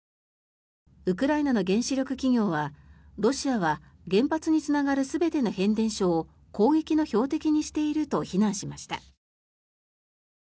ウクライナの原子力企業はロシアは原発につながる全ての変電所を攻撃の標的にしていると非難しました。